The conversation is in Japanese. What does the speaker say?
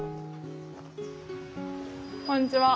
こんにちは。